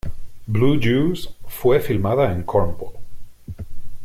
Blue Juice fue filmada en Cornwall.